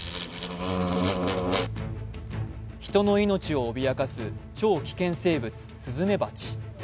人の命を脅かす超危険生物スズメバチ。